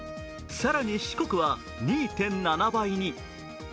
更に四国は２．７倍に。